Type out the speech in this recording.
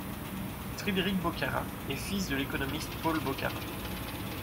Frédéric Boccara est fils de l'économiste Paul Boccara.